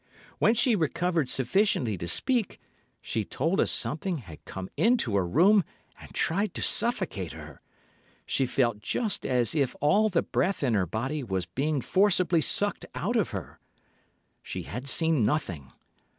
When she recovered sufficiently to speak, she told us something had come into her room and tried to suffocate her—she felt just as if all the breath in her body was being forcibly sucked out of her. She had seen nothing.